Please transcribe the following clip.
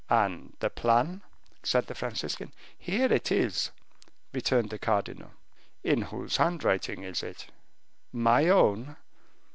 "And this plan?" said the Franciscan. "Here it is," returned the cardinal. "In whose handwriting is it?" "My own."